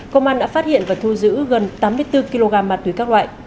công an đã phát hiện và thu giữ gần tám mươi bốn kg ma túy các loại